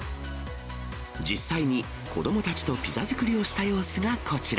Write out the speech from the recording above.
実際に子どもたちとピザ作りをした様子がこちら。